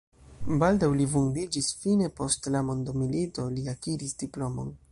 Baldaŭ li vundiĝis, fine post la mondomilito li akiris diplomon.